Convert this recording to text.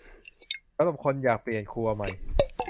สำหรับคนอยากเปลี่ยนครัวใหม่